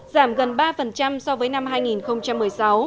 giảm gần ba so với năm hai nghìn một mươi sáu